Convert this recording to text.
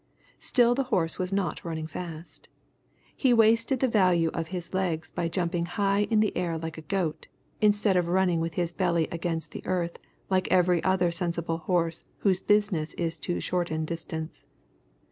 Still the horse was not running fast. He wasted the value of his legs by jumping high in the air like a goat, instead of running with his belly against the earth like every other sensible horse whose business is to shorten distance.